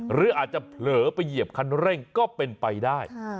หรืออาจจะเผลอไปเหยียบคันเร่งก็เป็นไปได้